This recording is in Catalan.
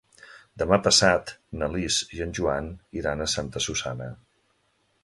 Demà passat na Lis i en Joan iran a Santa Susanna.